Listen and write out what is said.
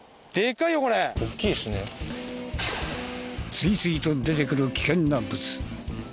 次々と出てくる危険なブツ。